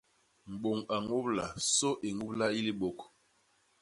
Mbôñ a ñubla; sô i ñubla i libôk.